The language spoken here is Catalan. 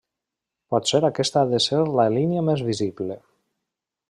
Potser aquesta ha de ser la línia més visible.